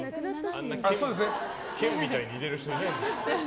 あんな剣みたいに入れる人いないよ。